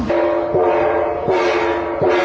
หรือว่าเกิดอะไรขึ้น